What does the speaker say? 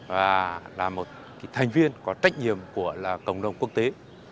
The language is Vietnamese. và là một thành viên có trách nhiệm của cộng đồng quốc tế